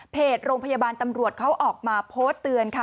โรงพยาบาลตำรวจเขาออกมาโพสต์เตือนค่ะ